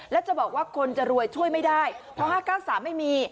และจะบอกว่าคนจะรวยช่วยไม่ได้เพราะ๕๙๓ไม่มี